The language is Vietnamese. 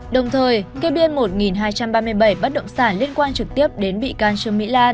đồng thời kê biên một hai trăm ba mươi bảy bất động sản liên quan trực tiếp đến bị can trương mỹ lan